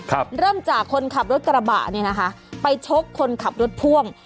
เริ่มจากคนขับรถกระบะเนี่ยนะคะไปชกคนขับรถพ่วง